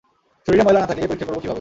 শরীরে ময়লা না থাকলে পরিস্কার করব কিভাবে?